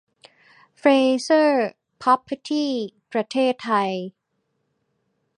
เฟรเซอร์ส พร็อพเพอร์ตี้ ประเทศไทย